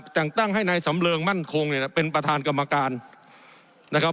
แต่งตั้งให้นายสำเริงมั่นคงเนี่ยเป็นประธานกรรมการนะครับ